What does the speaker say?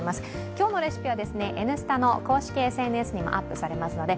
今日のレシピは「Ｎスタ」の公式ＳＮＳにもアップされますので